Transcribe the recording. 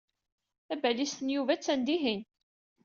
Tabalizt n Yuba attan dihin.